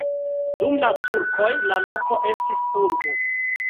Dum la turkoj la loko estis urbo.